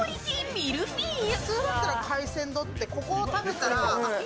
ミルフィーユ。